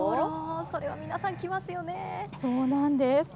それは皆さん、そうなんです。